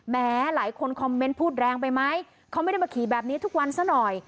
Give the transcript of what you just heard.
หลายคนคอมเมนต์พูดแรงไปไหมเขาไม่ได้มาขี่แบบนี้ทุกวันซะหน่อย